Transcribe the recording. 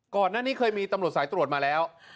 ก่อนหน้านี้เคยมีตำรวจสายตรวจมาแล้ว